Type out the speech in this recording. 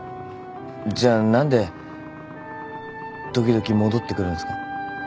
じゃあ何で時々戻ってくるんすか？